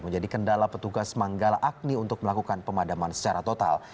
menjadi kendala petugas manggala agni untuk melakukan pemadaman secara total